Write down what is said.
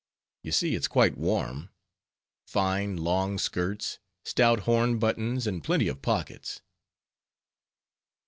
You see, it's quite warm; fine long skirts, stout horn buttons, and plenty of pockets."